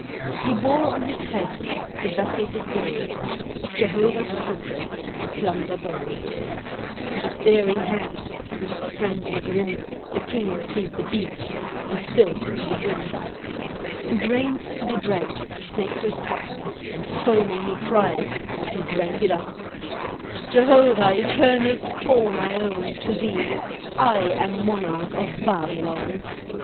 He bore on his head the vessels of gold, Of Jehovah's temple the plunder bold, S09 MESOPOTAMIA With daring hand, in his frenzy grim, The king seized a beaker and filled to the brim, And drained to the dregs the sacred cup, And foaming he cried, as he drank it up, "Jehovah, eternal scorn I own To thee. I am monarch of Babylon."